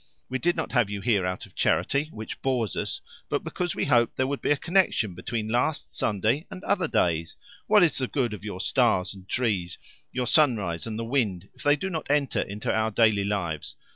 We did not have you here out of charity which bores us but because we hoped there would be a connection between last Sunday and other days. What is the good of your stars and trees, your sunrise and the wind, if they do not enter into our daily lives?